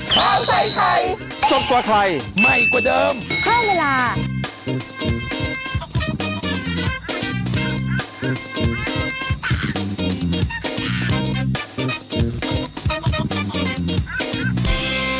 ข้าวใส่ไทยสอบกว่าใครใหม่กว่าเดิมค่อยเมื่อล่า